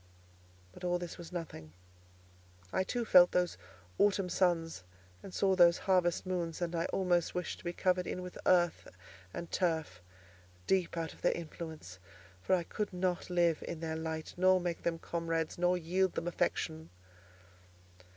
But all this was nothing; I too felt those autumn suns and saw those harvest moons, and I almost wished to be covered in with earth and turf, deep out of their influence; for I could not live in their light, nor make them comrades, nor yield them affection.